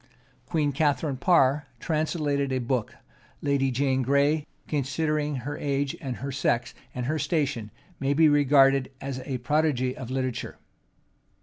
Queen Catharine Parr translated a book: Lady Jane Gray, considering her age, and her sex, and her station, may be regarded as a prodigy of literature.